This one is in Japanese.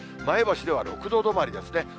前橋では６度止まりですね。